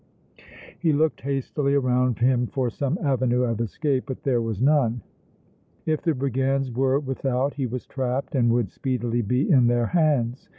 He looked hastily around him for some avenue of escape, but there was none. If the brigands were without he was trapped and would speedily be in their hands.